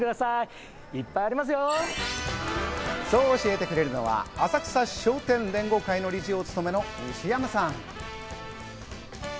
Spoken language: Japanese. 今日教えてくれるのは浅草商店連合会の理事をお勤めの西山さん。